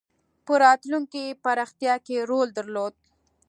په راتلونکې پراختیا کې رول درلود.